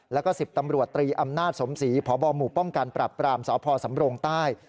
แล้วก็๑๐ตำรวจตรีอำนาจสมศรีพบหมู่ป้องกันปรับปรามสพสำโรงใต้